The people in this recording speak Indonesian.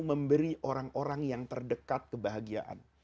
memberi orang orang yang terdekat kebahagiaan